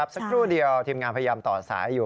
สักครู่เดียวทีมงานพยายามต่อสายอยู่